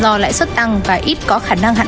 do lại xuất tăng và ít có khả năng hẳn